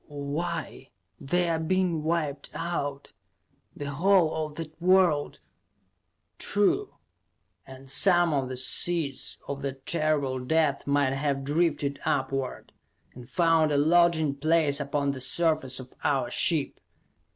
"Why they're being wiped out; the whole of that world " "True. And some of the seeds of that terrible death might have drifted upward, and found a lodging place upon the surface of our ship.